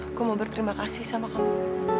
aku mau berterima kasih sama kamu